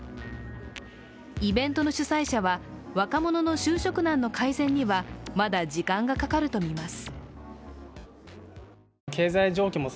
イベントの主催者は若者の就職難の改善には、まだ時間がかかるとみます。